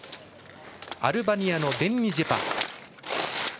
アルバニアのデンニ・ジェパ。